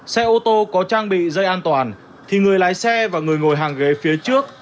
xe ô tô có trang bị dây an toàn thì người lái xe và người ngồi hàng ghế phía trước